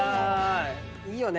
いいよね